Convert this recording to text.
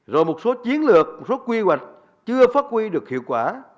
rồi một số chiến lược một số quy hoạch chưa phát huy được hiệu quả